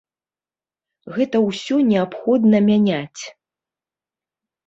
Гэта ўсё неабходна мяняць.